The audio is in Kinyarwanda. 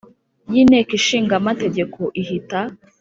y’Inteko Ishinga Amategeko ihita